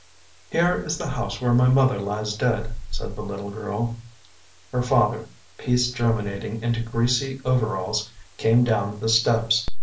" Here is the house where my mother lies dead/' said the little girl. Her father — peace germinating into greasy overalls — came down the steps.